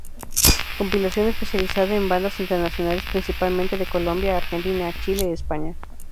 Compilación especializada en bandas internacionales, principalmente de Colombia, Argentina, Chile, España.